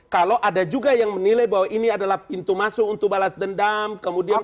kalau ada juga yang menilai bahwa ini adalah pintu masuk untuk balas dendam kemudian